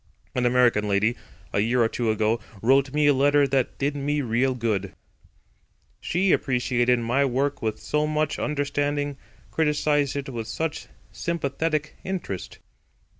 An American lady, a year or two ago, wrote me a letter that did me real good: she appreciated my work with so much understanding, criticised it with such sympathetic interest.